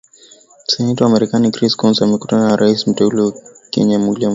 Seneta wa Marekani Chris Coons amekutana na rais mteule wa Kenya William Ruto